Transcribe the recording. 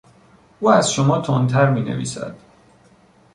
او از شما تندتر مینویسد.